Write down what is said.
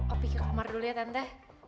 oh pergi ke kamar dulu ya tanda